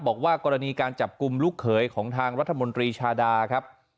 บอกว่ากรณีการจับกลุ่มลูกเขยของทางรัฐมนตรีชาดาครับ